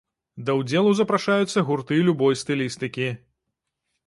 Да ўдзелу запрашаюцца гурты любой стылістыкі.